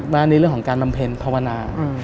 ในเรื่องของการบำเพ็ญภาวนา